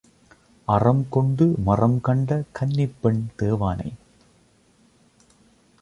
அறம்கொண்டு மறம் கண்ட கன்னிப் பெண் தேவானை.